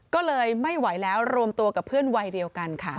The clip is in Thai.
ก็เลยไม่ไหวแล้วรวมตัวกับเพื่อนวัยเดียวกันค่ะ